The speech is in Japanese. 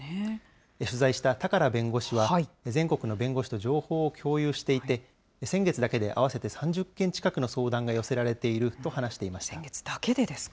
取材した高良弁護士は全国の弁護士と情報を共有していて、先月だけで合わせて３０件近くの相談が寄せられていると話してい先月だけでですか。